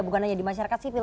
bukan hanya di masyarakat sipil